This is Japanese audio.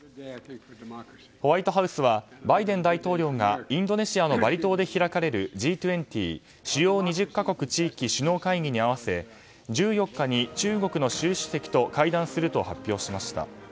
ホワイトハウスはバイデン大統領がインドネシアのバリ島で開かれるＧ２０・主要２０か国地域首脳会議に合わせ１４日に、中国の習主席と会談すると発表しました。